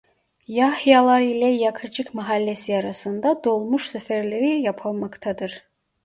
Yahyalar ile Yakacık Mahallesi arasında dolmuş seferleri yapılmaktadır.